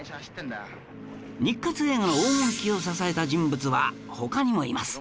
日活映画黄金期を支えた人物は他にもいます